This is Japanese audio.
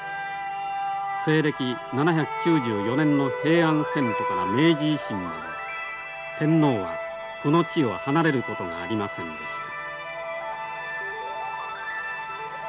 西暦７９４年の平安遷都から明治維新まで天皇はこの地を離れることがありませんでした。